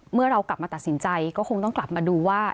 เมื่อเรากลับมาตัดสินใจก็คงต้องกลับมาดูว่า